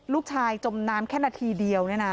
ลูกชายจมน้ำแค่นาทีเดียวนะนะ